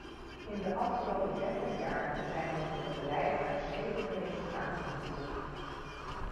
In de afgelopen dertig jaar zijn met het beleid uitstekende resultaten geboekt.